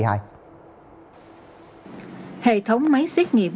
hệ thống máy xét nghiệm